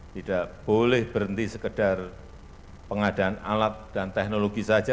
tidak boleh berhenti sekedar pengadaan alat dan teknologi saja